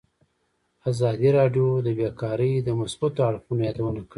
ازادي راډیو د بیکاري د مثبتو اړخونو یادونه کړې.